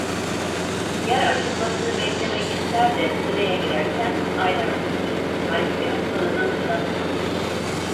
Yer açılmasını beklemek ister de sıraya girersen aylar sürer, halbuki hastalığının buna tahammülü yok.